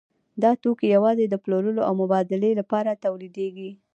دا توکي یوازې د پلورلو او مبادلې لپاره تولیدېږي